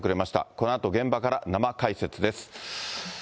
このあと、現場から生解説です。